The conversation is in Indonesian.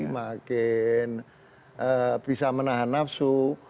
makin bisa menahan nafsu